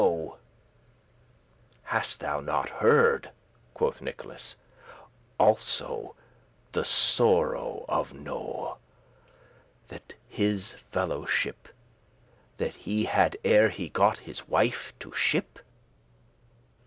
*long since* "Hast thou not heard," quoth Nicholas, "also The sorrow of Noe, with his fellowship, That he had ere he got his wife to ship?